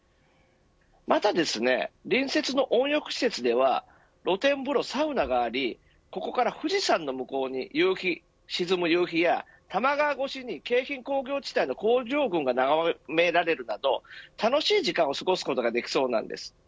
また隣接の温浴施設では露天風呂やサウナがありここから富士山の向こうに沈む夕日や、多摩川越しに京浜工業地帯の工場群がながめられるなど楽しい時間を過ごすことができそうなんです。